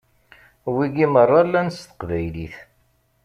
Wigi meṛṛa llan s teqbaylit.